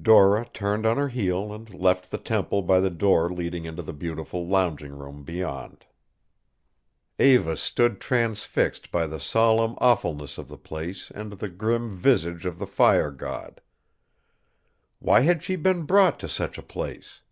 Dora turned on her heel and left the temple by the door leading into the beautiful lounging room beyond. Eva stood transfixed by the solemn awfulness of the place and the grim visage of the fire god. Why had she been brought to such a place?